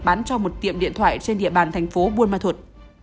bán cho một tiệm điện thoại trên địa bàn thành phố buôn ma thuột